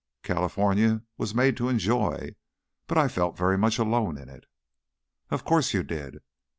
"California was made to enjoy, but I felt very much alone in it." "Of course you did.